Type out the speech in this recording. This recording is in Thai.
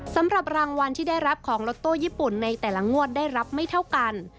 สำหรับรางวัลที่ได้รับของล็อตโต้ญี่ปุ่นในแต่ละงวดได้รับไม่เท่ากัน